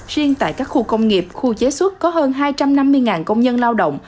riêng tại các khu công nghiệp khu chế xuất có hơn hai trăm năm mươi công nhân lao động